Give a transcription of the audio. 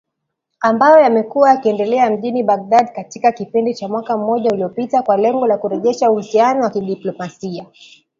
ambayo yamekuwa yakiendelea mjini Baghdad katika kipindi cha mwaka mmoja uliopita kwa lengo la kurejesha uhusiano wa kidiplomasia.